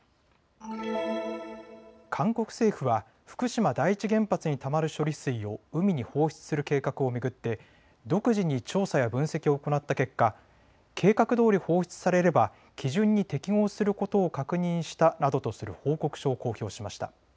韓国政府は福島第一原発にたまる処理水を海に放出する計画を巡って独自に調査や分析を行った結果、計画どおり放出されれば基準に適合することを確認したなどとする報告書を公表しました。